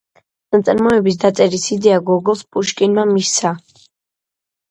ნაწარმოების დაწერის იდეა გოგოლს პუშკინმა მისცა.